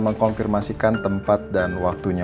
mengkonfirmasikan tempat dan waktunya